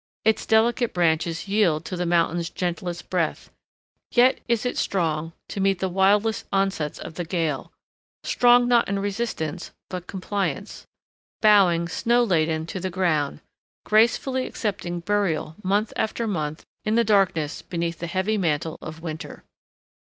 Its delicate branches yield to the mountains' gentlest breath; yet is it strong to meet the wildest onsets of the gale,—strong not in resistance, but compliance, bowing, snow laden, to the ground, gracefully accepting burial month after month in the darkness beneath the heavy mantle of winter.